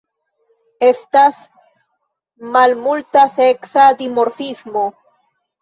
Estas malmulta seksa dimorfismo.